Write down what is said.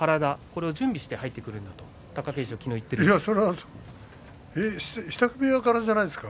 これを準備して入ってきていると貴景勝は昨日言っています。